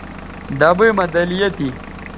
ڈبئ مہ دَلیہ تھی